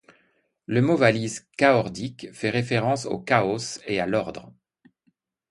Le mot-valise chaordique fait référence au chaos et à l'ordre.